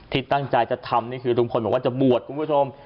ที่ตั้งใจจะทำคือโรงพลบวชคูณผู้ชม